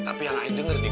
tapi yang lain denger nih